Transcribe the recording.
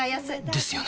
ですよね